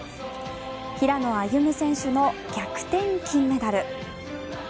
平野歩夢選手の逆転金メダル。